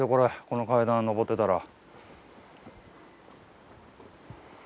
この階段上ってたら。